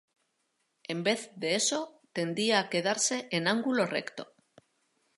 En vez de eso tendía a quedarse en ángulo recto.